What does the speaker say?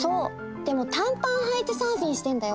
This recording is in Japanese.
でも短パンはいてサーフィンしてんだよ。